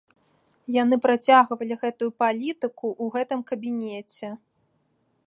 Яны працягвалі гэту палітыку ў гэтым кабінеце.